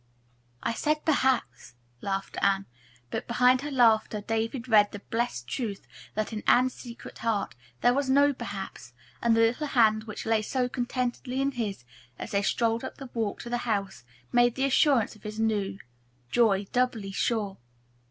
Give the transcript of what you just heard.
"I said 'perhaps,'" laughed Anne, but behind her laughter David read the blessed truth that in Anne's secret heart there was no "perhaps," and the little hand which lay so contentedly in his, as they strolled up the walk to the house, made the assurance of his new joy doubly sure.